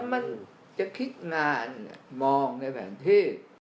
มันจะคิดนานมองในแผนที่